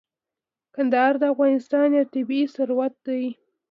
کندهار د افغانستان یو طبعي ثروت دی.